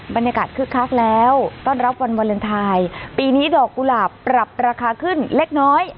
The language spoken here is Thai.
คึกคักแล้วต้อนรับวันวาเลนไทยปีนี้ดอกกุหลาบปรับราคาขึ้นเล็กน้อย